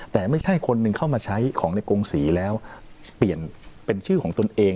แต่ไม่ใช่คนหนึ่งเข้ามาใช้ของในกงศรีแล้วเปลี่ยนเป็นชื่อของตนเอง